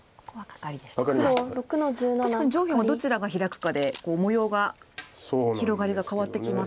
確かに上辺をどちらがヒラくかで模様が広がりが変わってきますね。